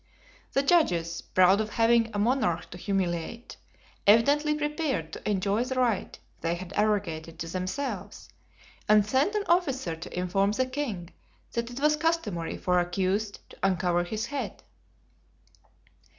The judges, proud of having a monarch to humiliate, evidently prepared to enjoy the right they had arrogated to themselves, and sent an officer to inform the king that it was customary for the accused to uncover his head.